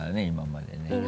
今までね。